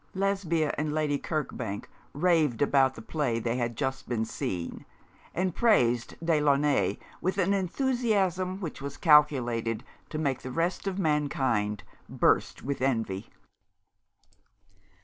Lesbia and Lady Kirkbank raved about the play they had just been seeing, and praised Delaunay with an enthusiasm which was calculated to make the rest of mankind burst with envy.